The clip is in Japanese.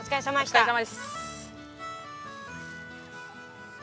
お疲れさまです。